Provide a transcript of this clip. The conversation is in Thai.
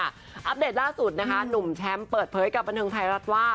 อัปเดตล่าสุดนะคะหนุ่มแชมป์เปิดเผยกับบันเทิงไทยรัฐว่า